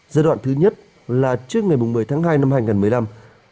giai đoạn thứ nhất là trước ngày một mươi tháng hai năm hai nghìn một mươi năm